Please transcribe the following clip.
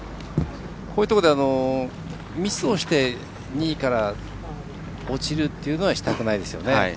こういうところでミスをして２位から落ちるというのはしたくないですよね。